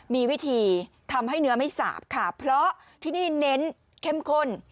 มีวิธีทำให้เนื้อไม่สาบค่ะเพราะที่นี่เน้นเข้มข้น